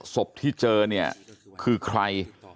ศพที่เจอเนี่ยคือใคร